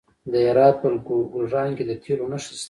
د هرات په ګلران کې د تیلو نښې شته.